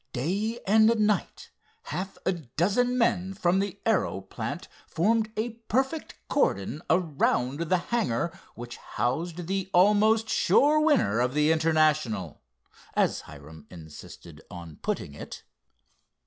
Day and night, half a dozen men from the aero plant formed a perfect cordon around the hangar which housed the almost sure winner of the International, as Hiram insisted on putting it.